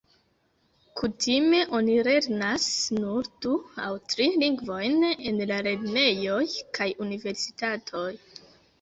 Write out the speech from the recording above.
Kutime oni lernas nur du aŭ tri lingvojn en la lernejoj kaj universitatoj.